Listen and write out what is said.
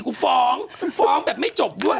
ฟ้องฟ้องแบบไม่จบด้วย